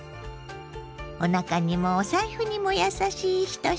おなかにもお財布にも優しい１品。